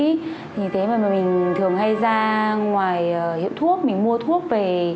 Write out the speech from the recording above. vì thế mà mình thường hay ra ngoài hiệu thuốc mình mua thuốc về